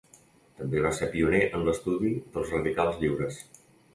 També va ser pioner en l'estudi dels radicals lliures.